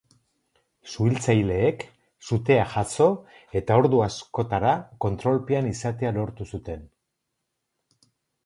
Suhiltzaileek sutea jazo eta ordu askotara kontrolpean izatea lortu zuten.